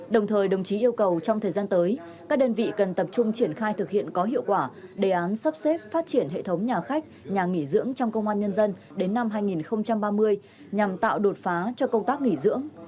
đồng thời đồng chí yêu cầu trong thời gian tới các đơn vị cần tập trung triển khai thực hiện có hiệu quả đề án sắp xếp phát triển hệ thống nhà khách nhà nghỉ dưỡng trong công an nhân dân đến năm hai nghìn ba mươi nhằm tạo đột phá cho công tác nghỉ dưỡng